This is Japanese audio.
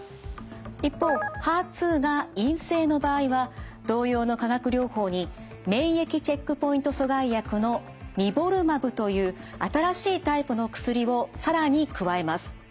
一方ＨＥＲ２が陰性の場合は同様の化学療法に免疫チェックポイント阻害薬のニボルマブという新しいタイプの薬を更に加えます。